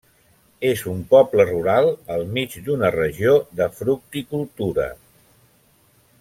És un poble rural, al mig d'una regió de fructicultura.